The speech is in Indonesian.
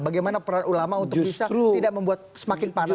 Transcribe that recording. bagaimana para ulama untuk bisa tidak membuat semakin panas tapi membuat semakin adem